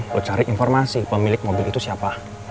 gue cari informasi pemilik mobil itu siapa